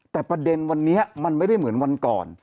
แต่ประเด็นวันนี้มันไม่ได้เหมือนวันก่อน